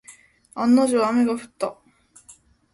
案の定、雨が降った。